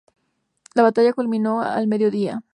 La batalla culminó al medio día.